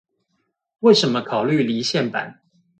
為什麼考慮離線版？